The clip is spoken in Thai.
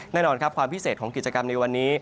แน่นอนครับความพิเศษของกิจกรรมในวันนี้